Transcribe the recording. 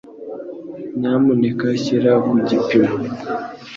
Nyamuneka shyira ku gipimo.